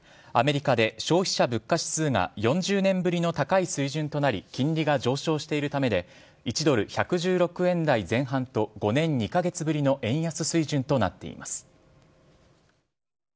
アメリカで消費者物価指数が４０年ぶりの高い水準となり金利が上昇しているためで１ドル１１６円台前半と５年２カ月ぶりの円安水準となっています。